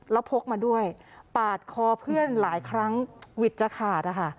แล้วพกมาด้วยปาดคอเพื่อนหลายครั้งวิทย์จะขาดนะคะ